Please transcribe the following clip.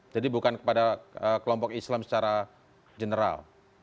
jadi bukan kepada kelompok islam secara general